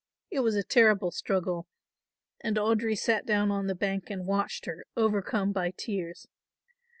It was a terrible struggle and Audry sat down on the bank and watched her, overcome by tears.